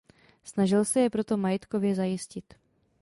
Snažil se je proto majetkově zajistit.